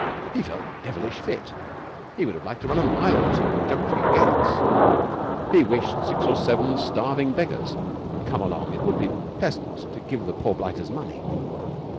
He felt devilish fit. He would have liked to run a mile or two and jump a few gates. He wished five or six starving beggars would come along; it would be pleasant to give the poor blighters money.